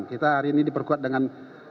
kita hari ini diperkuat dengan